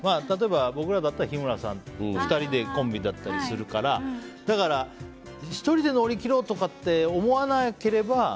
例えば、僕らだったら日村さんと２人でコンビだったりするからだから、１人で乗り切ろうとか思わなければ。